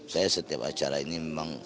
saya setiap acara ini memang